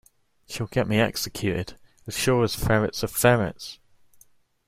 She’ll get me executed, as sure as ferrets are ferrets!